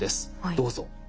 どうぞ。